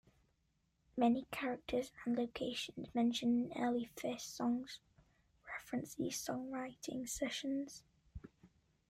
Many characters and locations mentioned in early Phish songs reference these songwriting sessions.